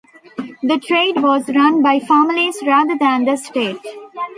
The trade was run by families rather than the state.